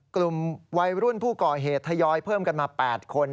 กลุ่มวัยรุ่นผู้ก่อเหตุทยอยเพิ่มกันมา๘คน